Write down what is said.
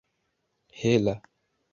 hela